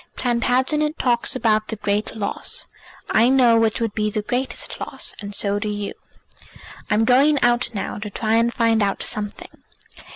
Plantagenet talks about the great loss; I know which would be the greatest loss, and so do you. I'm going out now to try and find out something.